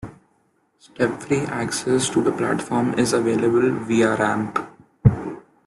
Step-free access to the platform is available via ramp.